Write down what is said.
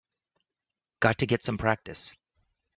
Got to get some practice.